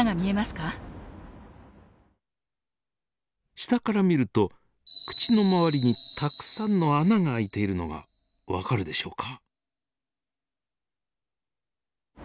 下から見ると口の周りにたくさんの穴が開いているのが分かるでしょうか？